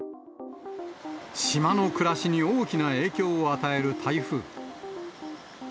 島の暮らしに大きな影響を与える台風。